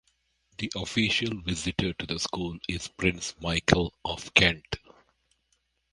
The official Visitor to the school is Prince Michael of Kent.